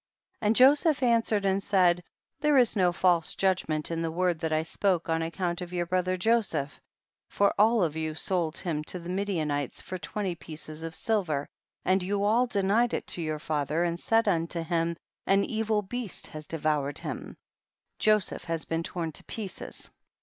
24. And Joseph answered and said, there is no false judgment in the word that I spoke on account of your brother Joseph, for all of you sold him to the Midianites for twenty pieces of silver, and you all denied it to your father and said unto him, an evil beast has devoured him, Jo seph has been torn to pieces.